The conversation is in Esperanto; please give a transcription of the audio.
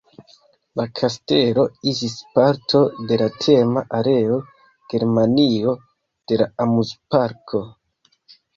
La kastelo iĝis parto de la tema areo "Germanio" de la amuzparko.